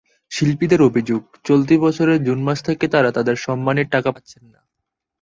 শিল্পীদের অভিযোগ, চলতি বছরের জুন মাস থেকে তাঁরা তাঁদের সম্মানীর টাকা পাচ্ছেন না।